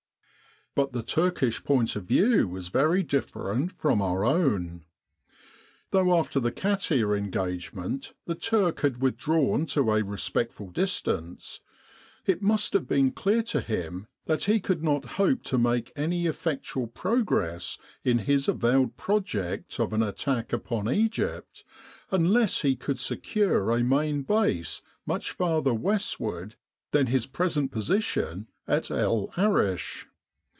But the Turkish point of view was very different from our own. Though after the Katia engagement 109 With the R.A.M.C. in Egypt the Turk had withdrawn to a respectful distance, it must have been clear to him that he could not hope to make any effectual progress in his avowed project of an attack upon Egypt unless he could secure a main base much farther westward than his present position at El Arish.